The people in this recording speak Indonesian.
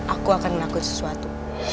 aku akan melakukan sesuatu